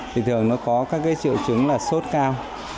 thì thường nó có các cái triệu chứng là sốt cao